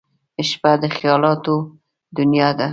• شپه د خیالونو دنیا ده.